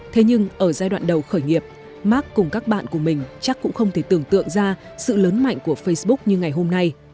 thế nhưng ở giai đoạn đầu khởi nghiệp mark cùng các bạn của mình chắc cũng không thể tưởng tượng ra sự lớn mạnh của facebook như ngày hôm nay